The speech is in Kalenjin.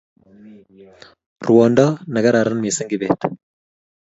Rwounde ne kararan mising Kibet